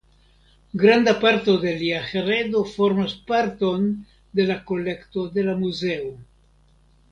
Granda parto de lia heredo formas parton de la kolekto de la Muzeo.